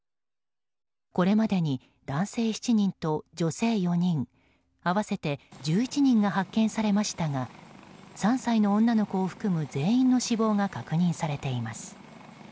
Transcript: これまでに男性７人と女性４人合わせて１１人が発見されましたが３歳の女の子を含む全員の死亡が確認されています。